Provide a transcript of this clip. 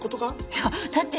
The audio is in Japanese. いやだって